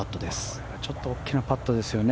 これはちょっと大きなパットですよね